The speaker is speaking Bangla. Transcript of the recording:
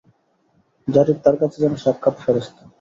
যারীদ তার কাছে যেন সাক্ষাৎ ফেরেশতা।